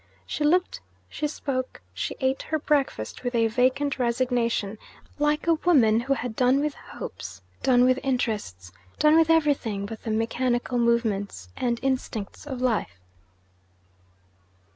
She looked, she spoke, she ate her breakfast, with a vacant resignation, like a woman who had done with hopes, done with interests, done with everything but the mechanical movements and instincts of life.